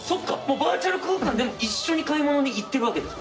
バーチャル空間でも一緒に買い物に行ってるわけですか？